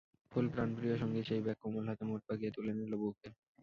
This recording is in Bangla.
ফুল প্রাণপ্রিয় সঙ্গীর সেই ব্যাগ কোমল হাতে মুঠ পাকিয়ে তুলে নিল বুকে।